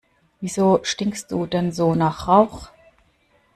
Wieso stinkst du denn so nach Rauch?